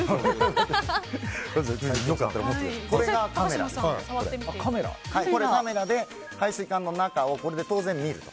これがカメラで排水管の中をこれで見ると。